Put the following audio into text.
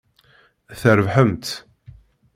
Trebḥemt!